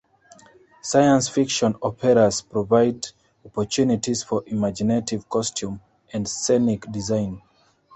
Science-fiction operas provide opportunities for imaginative costume and scenic design.